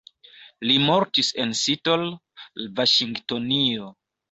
Li mortis en Seattle, Vaŝingtonio.